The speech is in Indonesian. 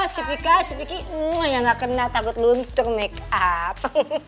cipika cipiki ya nggak kena takut luntur makeup